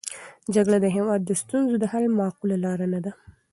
جګړه د هېواد د ستونزو د حل معقوله لاره نه ده.